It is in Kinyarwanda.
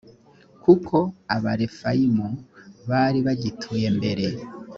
kuko abarefayimu bari bagituye mbere